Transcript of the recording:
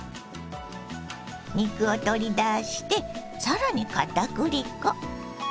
肉を取り出して更にかたくり粉。